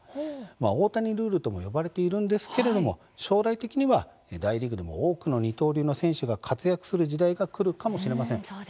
大谷ルールとも呼ばれているんですが、将来的には大リーグでも多くの二刀流選手が活躍する時代がくるかもしれません。